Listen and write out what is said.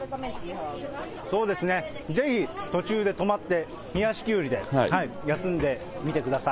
そうですね、ぜひ途中で止まって、冷やしきゅうりで休んでみてください。